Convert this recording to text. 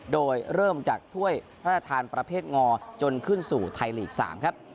โดยเริ่มจากถ้วยพระราชทานประเภทงอจนขึ้นสู่ไทยลีก๓ครับ